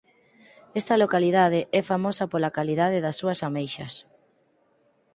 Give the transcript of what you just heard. Esta localidade é famosa pola calidade das súas ameixas.